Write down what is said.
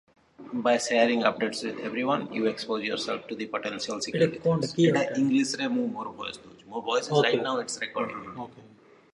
By sharing updates with everyone, you expose yourself to potential security threats.